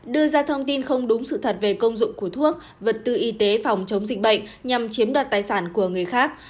đưa ra thông tin không đúng sự thật về công dụng của thuốc vật tư y tế phòng chống dịch bệnh nhằm chiếm đoạt tài sản của người khác